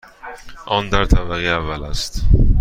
آن در طبقه اول است.